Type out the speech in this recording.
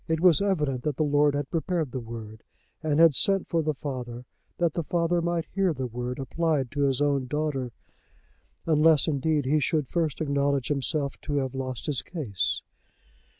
It was evident that the lord had prepared the word, and had sent for the father that the father might hear the word applied to his own daughter, unless indeed he should first acknowledge himself to have lost his case.